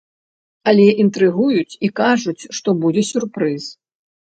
Але інтрыгуюць і кажуць, што будзе сюрпрыз!